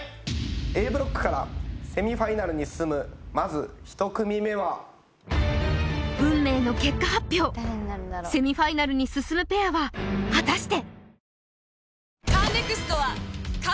Ａブロックからセミファイナルに進むまず１組目は運命の結果発表セミファイナルに進むペアは果たして？